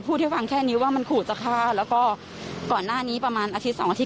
ให้ฟังแค่นี้ว่ามันขู่จะฆ่าแล้วก็ก่อนหน้านี้ประมาณอาทิตยสองอาทิต